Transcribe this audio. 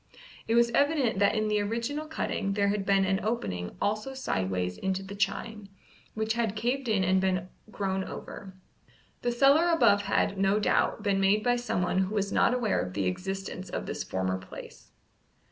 It was evident that in the original cutting there had been an opening also sideways into the chine, which had caved in and been grown over. The cellar above had, no doubt, been made by someone who was not aware of the existence of this former place.